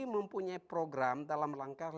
mempunyai program dalam langkah